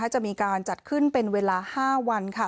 จะมีการจัดขึ้นเป็นเวลา๕วัน